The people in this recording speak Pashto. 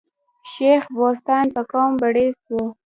شېخ بُستان په قوم بړیڅ وو.